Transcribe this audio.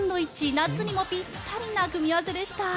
夏にぴったりな組み合わせでした。